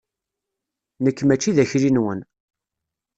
Nekk mačči d akli-nwen.